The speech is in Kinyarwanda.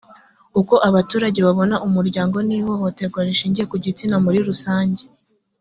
uko abaturage babona umuryango n ihohoterwa rishingiye ku gitsina muri rusange